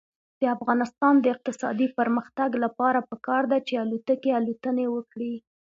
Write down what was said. د افغانستان د اقتصادي پرمختګ لپاره پکار ده چې الوتکې الوتنې وکړي.